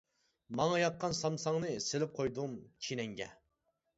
ماڭا ياققان سامساڭنى، سېلىپ قويدۇم چىنەڭگە.